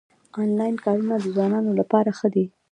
انلاین کارونه د ځوانانو لپاره ښه دي